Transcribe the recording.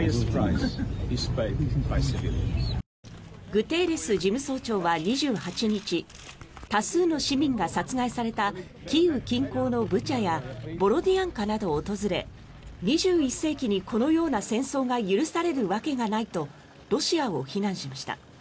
グテーレス事務総長は２８日多数の市民が殺害されたキーウ近郊のブチャやボロディアンカなどを訪れ２１世紀に、このような戦争が許されるわけがないとロシアを非難しました。